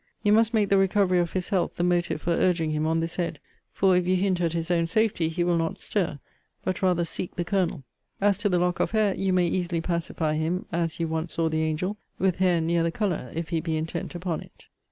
You must make the recovery of his health the motive for urging him on this head; for, if you hint at his own safety, he will not stir, but rather seek the Colonel. As to the lock of hair, you may easily pacify him, (as you once saw the angel,) with hair near the colour, if he be intent upon it.